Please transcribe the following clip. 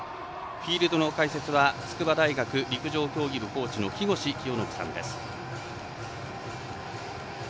フィールドの解説は筑波大学陸上競技部コーチの木越清信さんです。